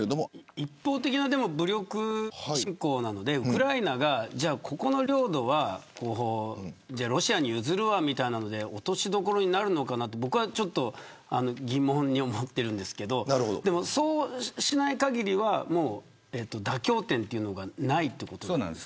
一方的な武力侵攻なんでウクライナがここの領土はロシアに譲るということで落としどころになるかというと疑問に思ってるんですけどでも、そうしない限りは妥協点というのがないと思います。